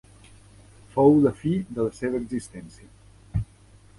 Fou la fi de la seva existència.